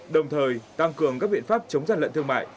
đồng thời tăng cường các biện pháp chống gian lận thương mại